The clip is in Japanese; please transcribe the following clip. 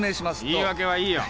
言い訳はいいよ。